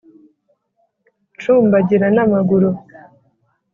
ncumbagira n'amaguru,